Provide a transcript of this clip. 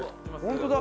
本当だ。